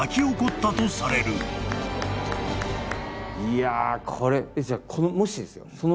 いやこれもしですよ？